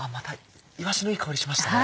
いわしのいい香りしましたね。